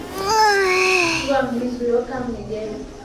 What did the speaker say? Tuwan li zuloʼ kam mèh ?